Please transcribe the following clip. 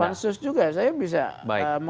pansus juga saya bisa